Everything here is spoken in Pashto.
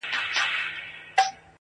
څڼور بیا سر پر زنگونو دی,